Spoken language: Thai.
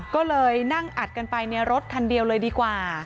ก็เลยนั่งอัดกันไปในรถคันเดียวเลยดีกว่า